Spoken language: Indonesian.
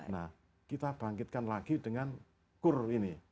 nah kita bangkitkan lagi dengan kur ini